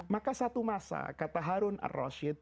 maka satu masa kata harun ar rashid